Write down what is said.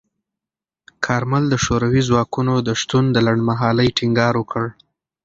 کارمل د شوروي ځواکونو د شتون د لنډمهالۍ ټینګار وکړ.